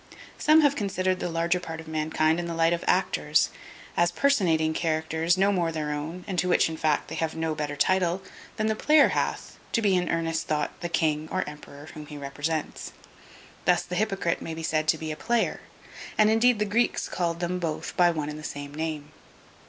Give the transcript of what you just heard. Some have considered the larger part of mankind in the light of actors, as personating characters no more their own, and to which in fact they have no better title, than the player hath to be in earnest thought the king or emperor whom he represents. Thus the hypocrite may be said to be a player; and indeed the Greeks called them both by one and the same name.